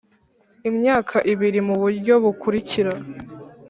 Imyaka ibiri mu buryo bukurikira